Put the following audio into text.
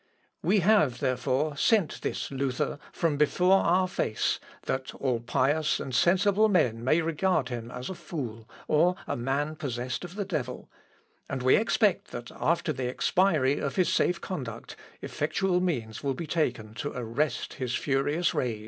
(Ibid.) "We have, therefore, sent this Luther from before our face, that all pious and sensible men may regard him as a fool, or a man possessed of the devil; and we expect that, after the expiry of his safe conduct, effectual means will be taken to arrest his furious rage.